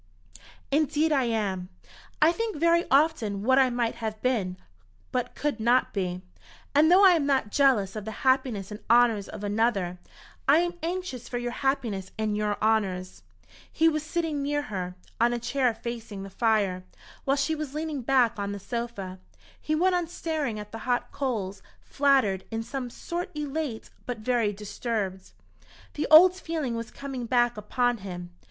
"Indeed I am. I think very often what I might have been, but could not be; and though I am not jealous of the happiness and honours of another, I am anxious for your happiness and your honours." He was sitting near her, on a chair facing the fire, while she was leaning back on the sofa. He went on staring at the hot coals, flattered, in some sort elate, but very disturbed. The old feeling was coming back upon him.